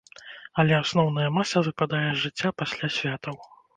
Але асноўная маса выпадае з жыцця пасля святаў.